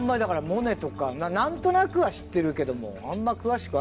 モネとか何となくは知ってるけどもあんま詳しく分かんない。